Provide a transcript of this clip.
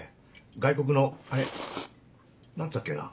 外国のあれ何だっけな？